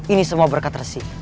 ini semua berkat ruzi